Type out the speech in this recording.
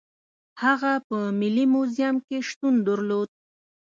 هغه په ملي موزیم کې شتون درلود.